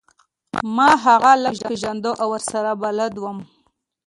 ما هغه لږ پیژنده او ورسره بلد وم